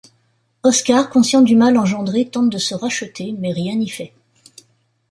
Oscar conscient du mal engendré tente de se racheter mais rien n'y fait.